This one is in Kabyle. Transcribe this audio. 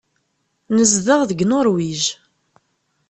Nezdeɣ deg Nuṛwij.